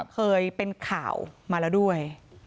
เคยเป็นข่าวมาแล้วด้วย